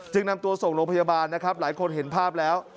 นำตัวส่งโรงพยาบาลนะครับหลายคนเห็นภาพแล้ว